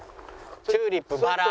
チューリップバラ？